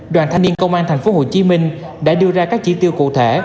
đoàn thanh niên công an tp hcm đã đưa ra các chỉ tiêu cụ thể